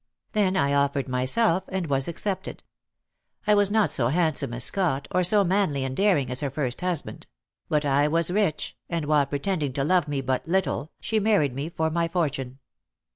Then I offered myself, and was accepted. I was not so handsome as Scott, or so manly and daring as her first husband; but I was rich, and while pretending to love me but little, she married me for my fortune.